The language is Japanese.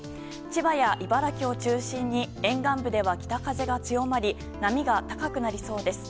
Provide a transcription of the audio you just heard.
千葉や茨城を中心に沿岸部では北風が強まり波が高くなりそうです。